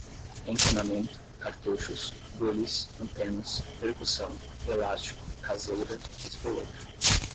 encanamento, cartuchos, bules, antenas, percussão, elástico, caseira, espoleta